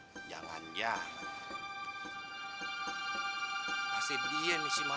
belanja banyak banget bakal lapis itu